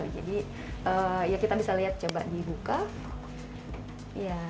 jadi kita bisa lihat coba dibuka